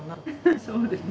そうですね